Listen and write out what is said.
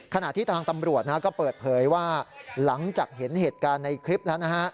ขณะที่ทางตำรวจก็เปิดเผยว่าหลังจากเห็นเหตุการณ์ในคลิปแล้วนะฮะ